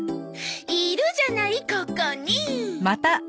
いるじゃないここに。